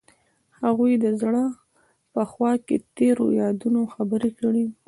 هغوی د زړه په خوا کې تیرو یادونو خبرې کړې.